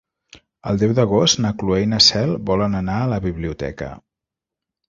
El deu d'agost na Cloè i na Cel volen anar a la biblioteca.